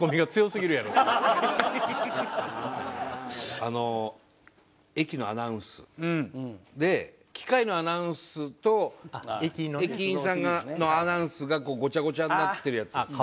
あの駅のアナウンスで機械のアナウンスと駅員さんのアナウンスがごちゃごちゃになってるやつですね。